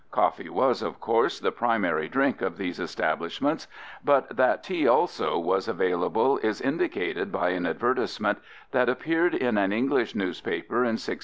Coffee was, of course, the primary drink of these establishments, but that tea also was available is indicated by an advertisement that appeared in an English newspaper in 1658.